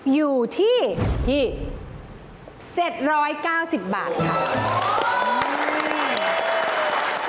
อยู่ที่๗๙๐บาทค่ะ